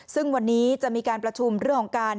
ซึ่งวันนี้จะมีการประชุมเรื่องของการ